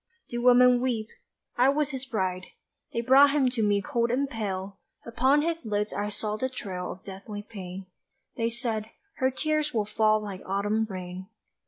Do women weep? I was his bride They brought him to me cold and pale Upon his lids I saw the trail Of deathly pain. They said, "Her tears will fall like autumn rain."